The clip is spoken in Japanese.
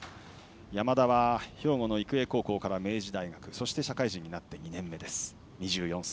山田は兵庫の育英高校から明治大学そして社会人になって２年目の２４歳。